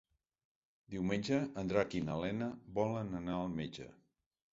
Diumenge en Drac i na Lena volen anar al metge.